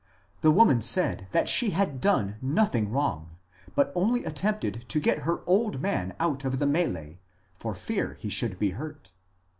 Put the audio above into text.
The woman said that she had done nothing, but only attempted to get her old man out of the mSlee, for fear he should be hurt.